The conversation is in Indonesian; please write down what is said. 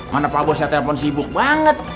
mana pak bosnya telepon sibuk banget